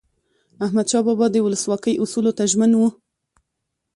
احمدشاه بابا به د ولسواکۍ اصولو ته ژمن و.